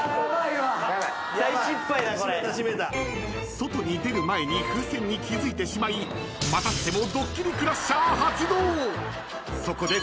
［外に出る前に風船に気付いてしまいまたしても］